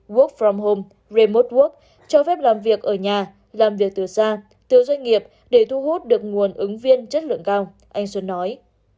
gook from home remot work cho phép làm việc ở nhà làm việc từ xa từ doanh nghiệp để thu hút được nguồn ứng viên chất lượng cao anh xuân nói